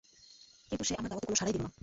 কিন্তু সে আমার দাওয়াতে কোন সাড়াই দিল না।